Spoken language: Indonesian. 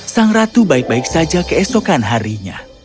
sang ratu baik baik saja keesokan harinya